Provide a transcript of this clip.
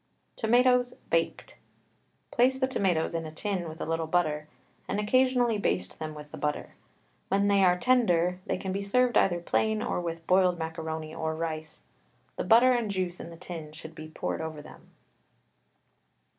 TOMATOES, BAKED. Place the tomatoes in a tin with a little butter, and occasionally baste them with the butter. When they are tender, they can be served either plain or with boiled macaroni or rice. The butter and juice in the tin should be poured over them.